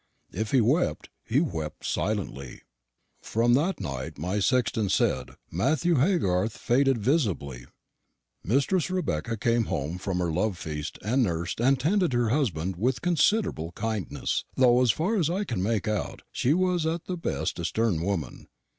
If he wept, he wept silently. "From that night, my sexton said, Matthew Haygarth faded visibly. Mistress Rebecca came home from her love feast, and nursed and tended her husband with considerable kindness, though, so far as I can make out, she was at the best a stern woman.